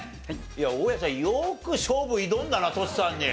大家ちゃんよく勝負挑んだなとしさんに。